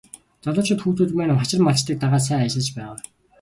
Залуучууд хүүхдүүд маань хашир малчдыг дагаад сайн ажиллаж байгаа.